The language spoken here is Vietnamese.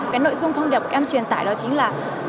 cái nội dung thông điệp em truyền tải đó chính là